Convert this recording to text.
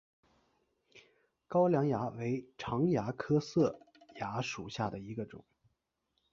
高梁蚜为常蚜科色蚜属下的一个种。